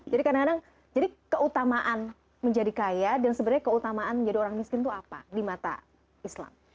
jadi kadang kadang jadi keutamaan menjadi kaya dan sebenarnya keutamaan menjadi orang miskin itu apa di mata islam